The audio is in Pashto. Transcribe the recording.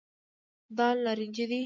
دال نارنجي دي.